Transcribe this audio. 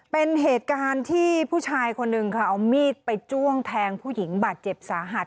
เป็นเหตุการณ์ที่ผู้ชายคนหนึ่งค่ะเอามีดไปจ้วงแทงผู้หญิงบาดเจ็บสาหัส